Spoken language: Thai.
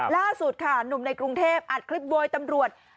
ล่าสุดค่ะหนุ่มในกรุงเทพอัดคลิปโวยตำรวจ